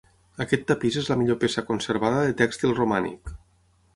Aquest tapís és la millor peça conservada de tèxtil romànic.